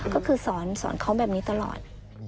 ก็คือสอนเขาแบบนี้ตลอด